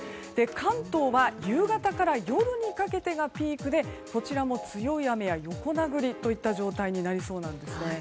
関東は夕方から夜にかけてピークでこちらも強い雨や横殴りの状態になりそうなんです。